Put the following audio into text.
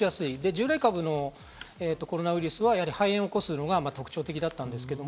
従来株のコロナウイルスはやはり肺炎を起こすのが特徴的だった。